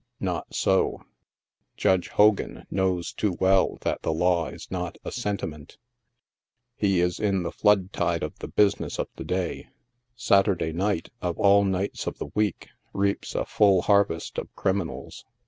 Not so ; Judge Hogan knows too well that the law is not a sentiment. He is in the flood tide of the business of the day. Saturday night, of all nights of the week, reaps a fall harvest of' criminals.